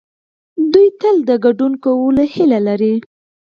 دوی تل د ګډون کولو هيله لري.